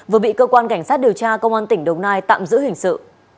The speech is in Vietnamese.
vừa bị cơ quan cảnh sát điều tra công an tỉnh đồng nai tạm giữ hình sự